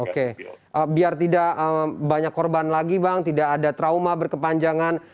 oke biar tidak banyak korban lagi bang tidak ada trauma berkepanjangan